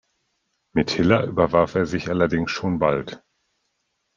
Mit Hiller überwarf er sich allerdings schon bald.